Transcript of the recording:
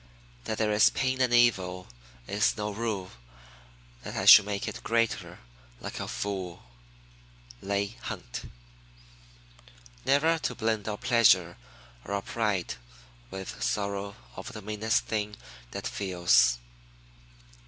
That there is pain and evil, is no rule That I should make it greater, like a fool. Leigh Hunt. Never to blend our pleasure or our pride With sorrow of the meanest thing that feels.